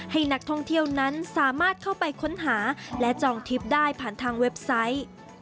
ให้นักท่องเที่ยวนั้นสามารถเข้าไปค้นหาและจองทริปได้ผ่านทางเว็บไซต์